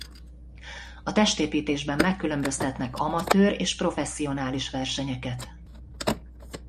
A testépítésben megkülönböztetnek amatőr és professzionális versenyeket.